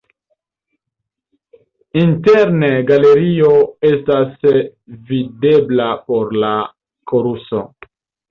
Interne galerio estas videbla por la koruso.